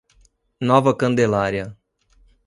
Nova Candelária